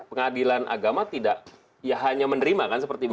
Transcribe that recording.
pengadilan agama tidak ya hanya menerima kan seperti bu